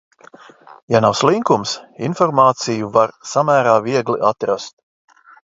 Ja nav slinkums, informāciju var samērā viegli atrast.